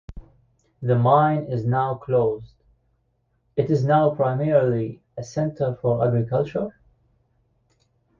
The mine is now closed; it is now primarily a centre for agriculture.